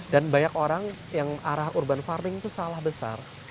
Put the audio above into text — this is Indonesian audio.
dan banyak orang yang arah urban farming itu salah besar